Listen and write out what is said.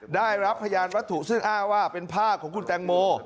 ได้รับพยานวัตถุซึ่งอ้างว่าเป็นผ้าของคุณแตงโม